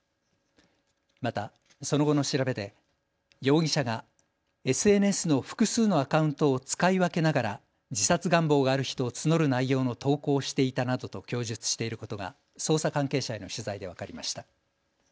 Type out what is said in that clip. またその後の調べで容疑者がＳＮＳの複数のアカウントを使い分けながら自殺願望がある人を募る内容の投稿をしていたなどと供述していることが捜査関係者への取材で分かりました。